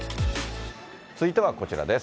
続いてはこちらです。